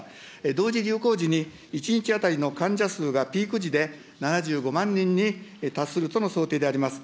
同時流行時に１日当たりの患者数がピーク時で７５万人に達するとの想定であります。